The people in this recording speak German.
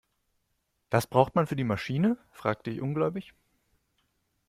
Das braucht man für die Maschine?, fragte ich ungläubig.